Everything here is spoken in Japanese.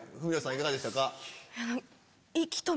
いかがでしたか？